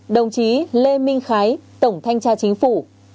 đồng chí lê minh khái tổng thanh tra chính phủ